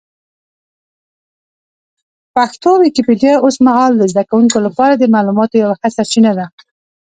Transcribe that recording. پښتو ويکيپېډيا اوس مهال د زده کوونکو لپاره د معلوماتو یوه ښه سرچینه ده.